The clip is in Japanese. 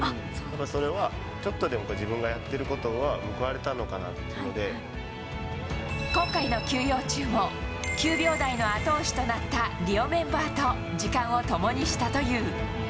だからそれは、ちょっとでも自分がやってることが報われたのかなっていう今回の休養中も、９秒台の後押しとなったリオメンバーと時間を共にしたという。